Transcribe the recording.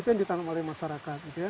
itu yang ditanam oleh masyarakat